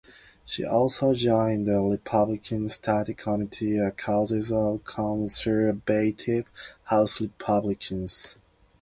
She also joined the Republican Study Committee, a caucus of conservative House Republicans.